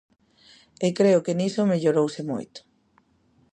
E creo que niso mellorouse moito.